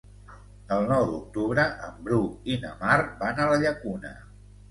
El nou d'octubre en Bru i na Mar van a la Llacuna.